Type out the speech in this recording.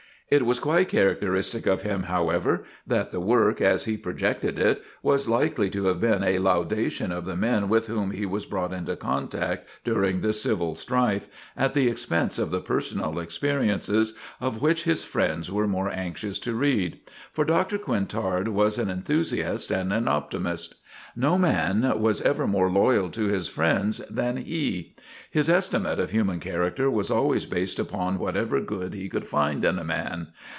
It was quite characteristic of him, however, that the work as he projected it was likely to have been a laudation of the men with whom he was brought into contact during the civil strife, at the expense of the personal experiences of which his friends were more anxious to read. For Doctor Quintard was an enthusiast and an optimist. No man was ever more loyal to his friends than he. His estimate of human character was always based upon whatever good he could find in a man.